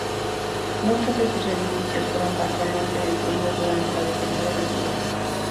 Muchos de sus edificios fueron parcialmente destruidos durante la defensa de la ciudad.